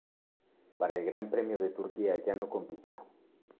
Para el Gran Premio de Turquía ya no compitió.